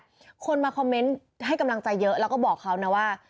คนมาคอมเมนต์ให้กำลังใจเยอะแล้วก็บอกเขานะว่า